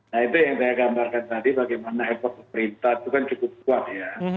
nah itu yang saya gambarkan tadi bagaimana ekor pemerintah itu kan cukup kuat ya